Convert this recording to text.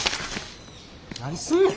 何すんねん。